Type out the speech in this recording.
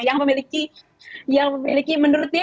yang memiliki menurut dia yang terbaik